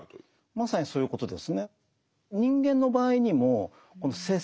まさにそういうことですね。